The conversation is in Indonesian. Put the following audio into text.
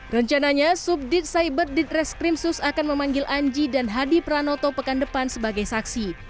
rencananya subdit cyber ditreskrimsus akan memanggil anji dan hadi pranoto pekan depan sebagai saksi